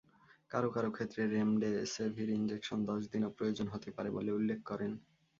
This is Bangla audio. কারো কারো ক্ষেত্রে রেমডেসেভির ইনজেকশন দশ দিনও প্রয়োজন হতে পারে বলে উল্লেখ করেন।